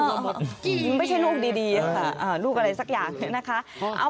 ไปช่วยมีไม่ใช่ลูกดีค่ะลูกอะไรสักอย่างนะคะ